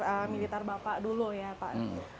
perjalanan karir militer bapak dulu ya pak